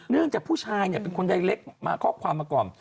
เนื่องจากผู้ชายเนี่ยเป็นคนใดเล็กมาข้อความประกอบ